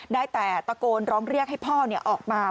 ได้แต่ตะโกนร้องเรียกให้พ่อออกมา